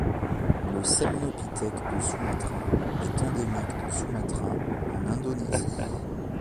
Le semnopithèque de Sumatra est endémique de Sumatra, en Indonésie.